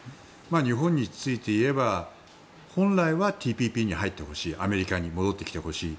日本についていえば本来はＴＰＰに入ってほしいアメリカに戻ってきてほしい。